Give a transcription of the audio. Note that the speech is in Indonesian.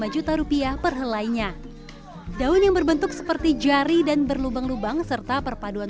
lima juta rupiah perhelainya daun yang berbentuk seperti jari dan berlubang lubang serta perpaduan